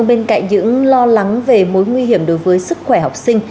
bên cạnh những lo lắng về mối nguy hiểm đối với sức khỏe học sinh